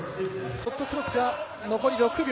ショットクロックは残り６秒。